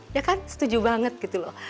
ya kan setuju banget gitu loh